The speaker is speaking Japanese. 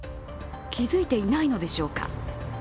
気付いていないのでしょうか。